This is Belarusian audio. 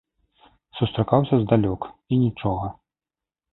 Сустракаўся здалёк, і нічога.